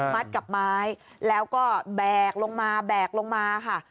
กับไม้แล้วก็แบกลงมาแบกลงมาค่ะ